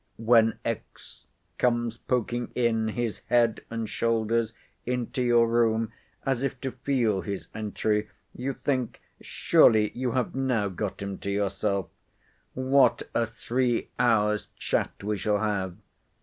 When comes, poking in his head and shoulders into your room, as if to feel his entry, you think, surely you have now got him to yourself—what a three hours' chat we shall have!